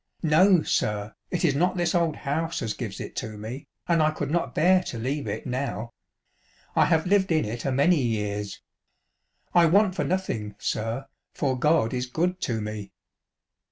No, sir, it is not this old house as gives it to me, and I could not bear to leave it now. I have lived in it a many years. I want for nothing, sir, for God is good to me."